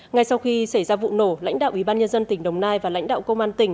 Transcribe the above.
ngay sau khi xảy ra vụ nổ lãnh đạo ủy ban nhân dân tỉnh đồng nai và lãnh đạo công an tỉnh